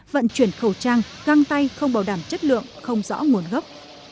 vận chuyển khẩu trang găng tay không bảo đảm chất lượng không rõ nguồn gốc